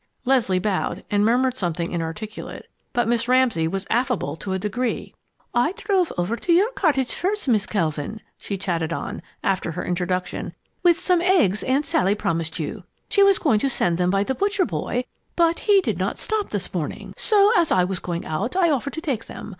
Leslie bowed and murmured something inarticulate, but Miss Ramsay was affable to a degree. "I drove over to your cottage first, Miss Kelvin," she chatted on, after her introduction, "with some eggs Aunt Sally promised you. She was going to send them by the butcher boy, but he did not stop this morning, so, as I was going out, I offered to take them.